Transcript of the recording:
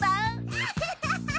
アハハハッ！